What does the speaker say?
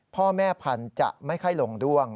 พ่อแม่พันธุ์จะไม่ค่อยลงด้วง